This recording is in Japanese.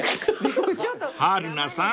［春菜さん